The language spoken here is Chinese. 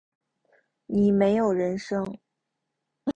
你没有人生